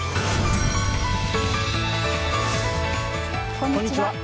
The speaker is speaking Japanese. こんにちは。